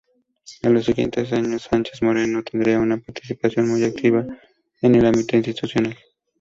En los siguientes años Sánchez-Moreno tendría una participación muy activa en el ámbito institucional.